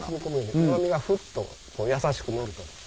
うま味がフッと優しくのると。